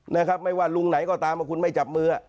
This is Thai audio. นะครับไม่ว่าลุงไหนก็ตามว่าคุณไม่จับมือ